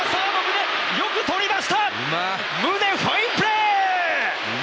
宗、ファインプレー！